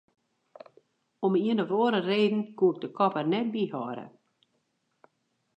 Om de ien of oare reden koe ik de kop der net by hâlde.